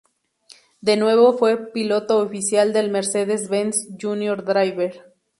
De nuevo fue piloto oficial del Mercedes-Benz Junior Driver.